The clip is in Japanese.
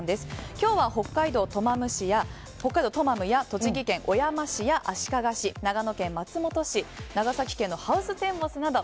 今日は北海道トマムや栃木県小山市や足利市、長野県の松本市長崎県のハウステンボスなど